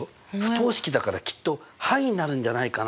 不等式だからきっと範囲になるんじゃないかなって。